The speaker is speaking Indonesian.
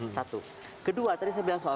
satu kedua tadi saya bilang soal